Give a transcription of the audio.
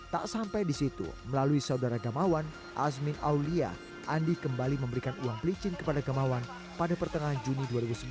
tak sampai di situ melalui saudara gamawan azmin aulia andi kembali memberikan uang pelicin kepada gamawan pada pertengahan juni dua ribu sebelas